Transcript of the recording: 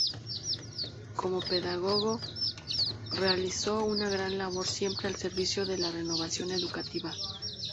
Como pedagogo realizó una gran labor siempre al servicio de la renovación educativa.